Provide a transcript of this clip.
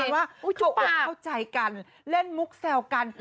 ประมาณว่าเขาเข้าใจกันเล่นมุกแซวกัน